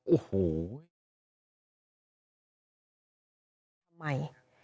โอ้โห